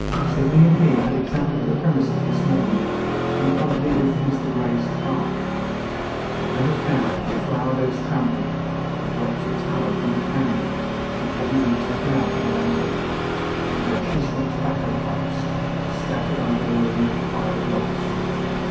Sydney and he had examined the premises this morning, in company with Mr Grey's clerk; and they had found the flower beds trampled, and drops of tallow from a candle which had probably been taken out of a lantern, and ashes from tobacco pipes, scattered under the lee of a pile of logs.